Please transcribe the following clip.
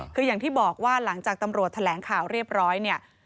คืออย่างที่บอกว่าหลังจากตำรวจแถลงข่าวเรียบร้อยเนี่ย